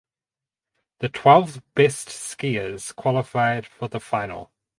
The twelve best skiers qualified for the final.